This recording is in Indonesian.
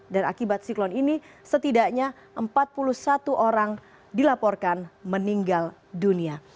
dan akibat siklon ini setidaknya empat puluh satu orang dilaporkan meninggal dunia